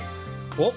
おっ！